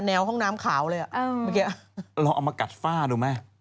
เราเอาไหมกดฝ้าดูไหม